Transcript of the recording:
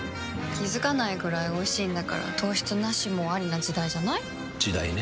気付かないくらいおいしいんだから糖質ナシもアリな時代じゃない？時代ね。